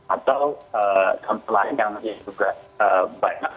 atau yang lain yang juga banyak